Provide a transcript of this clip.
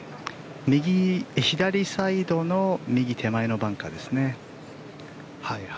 左サイドの右手前のバンカーですね。